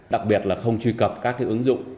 đặc biệt là không truy cập các ứng dụng